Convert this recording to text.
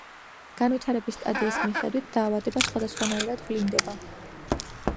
განვითარების სტადიის მიხედვით, დაავადება სხვადასხვანაირად ვლინდება.